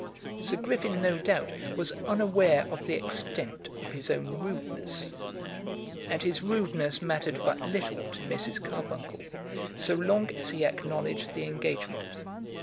Sir Griffin, no doubt, was unaware of the extent of his own rudeness. And his rudeness mattered but little to Mrs. Carbuncle, so long as he acknowledged the engagement.